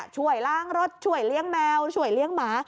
ช่วยล้างรถช่วยเลี้ยงแมวช่วยเลี้ยงหมา